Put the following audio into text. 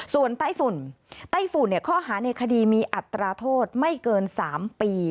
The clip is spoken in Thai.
ส่วนไต้ฝุ่นไต้ฝุ่นข้อหาในคดีมีอัตราโทษไม่เกิน๓ปี